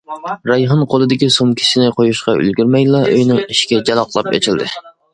رەيھان قولىدىكى سومكىسىنى قويۇشقا ئۈلگۈرمەيلا ئۆيىنىڭ ئىشىكى جالاقلاپ ئىچىلدى.